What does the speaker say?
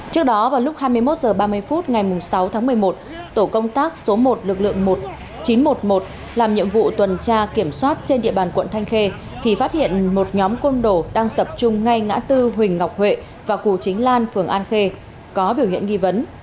trước đó vào lúc hai mươi một h ba mươi phút ngày sáu tháng một mươi một tổ công tác số một lực lượng chín trăm một mươi một làm nhiệm vụ tuần tra kiểm soát trên địa bàn quận thanh khê thì phát hiện một nhóm côn đồ đang tập trung ngay ngã tư huỳnh ngọc huệ và cù chính lan phường an khê có biểu hiện nghi vấn